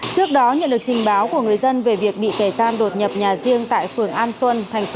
trước đó nhận được trình báo của người dân về việc bị kẻ gian đột nhập nhà riêng tại phường an xuân